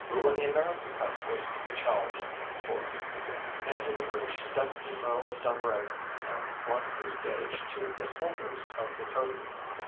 When the America Cup was to be challenged for, into the breach stepped the Earl of Dunraven and flung his gage to the holders of the trophy.